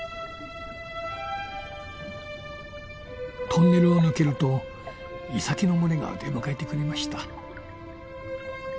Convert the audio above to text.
トンネルを抜けるとイサキの群れが出迎えてくれました。